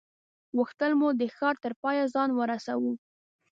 غوښتل مو د ښار تر پایه ځان ورسوو.